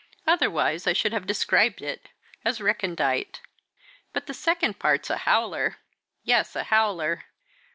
Otherwise I should have described it as recondite. But the second part's a howler; yes, a howler!